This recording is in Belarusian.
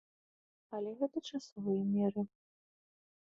Але гэта часовыя меры.